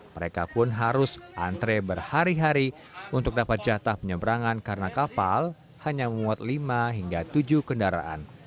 mereka pun harus antre berhari hari untuk dapat jatah penyeberangan karena kapal hanya memuat lima hingga tujuh kendaraan